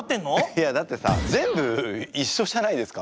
いやだってさ全部一緒じゃないですか。